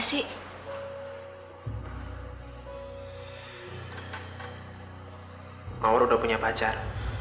sekarang aku udah punya pacar